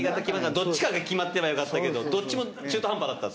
どっちかが決まってればよかったけどどっちも中途半端だったと。